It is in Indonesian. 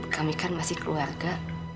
kami kan masih keluarga